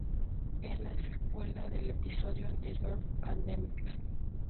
Es la secuela del episodio anterior, Pandemic.